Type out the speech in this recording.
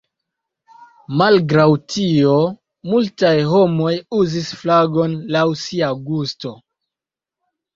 Malgraŭ tio multaj homoj uzis flagon laŭ sia gusto.